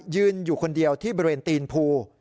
ยืนอยู่คนเดียวที่บริเวณตีนภู